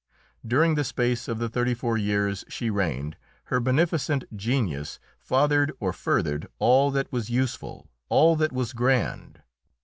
During the space of the thirty four years she reigned, her beneficent genius fathered or furthered all that was useful, all that was grand.